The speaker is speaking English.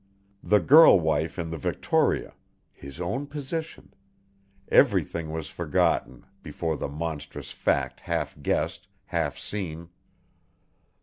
The girl wife in the Victoria, his own position everything was forgotten, before the monstrous fact half guessed, half seen.